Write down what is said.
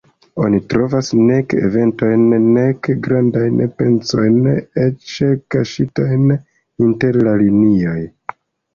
Oni trovas nek eventojn, nek grandajn pensojn, eĉ kaŝitajn inter la linioj.